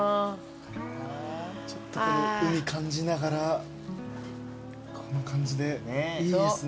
ちょっと海感じながらこの感じでいいですね。